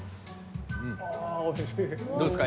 どうですか？